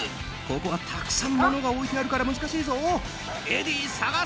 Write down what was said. ここはたくさん物が置いてあるから難しいぞ。